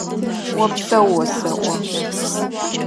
Опсэу осэӏо!